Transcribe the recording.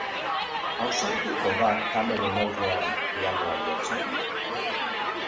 Ausartuko da kameren aurrean pianoa jotzen?